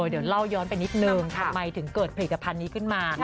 เดี๋ยวเล่าย้อนไปนิดนึงทำไมถึงเกิดผลิตภัณฑ์นี้ขึ้นมา